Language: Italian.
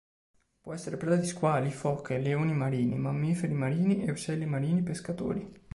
Può essere preda di squali, foche, leoni marini, mammiferi marini, e uccelli marini pescatori.